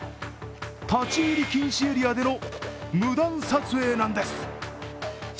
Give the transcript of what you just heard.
立ち入り禁止エリアでの無断撮影なんです。